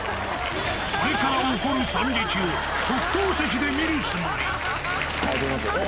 これから起こる惨劇を、特等席で見るつもり。